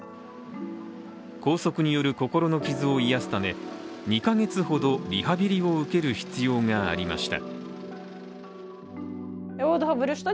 拘束による心の傷を癒やすため２か月ほどリハビリを受ける必要がありました。